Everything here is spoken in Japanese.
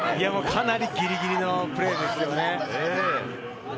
かなりギリギリのプレーですよね。